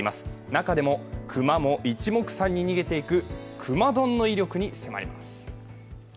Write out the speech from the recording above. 中でも、熊もいちもくさんに逃げていくくまドンの威力に迫ります。